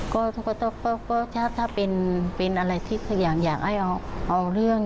ก็ถ้าเป็นอะไรที่ขยันอยากให้เอาเรื่อง